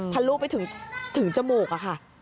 ทะลุไปถึงจมูกอะค่ะ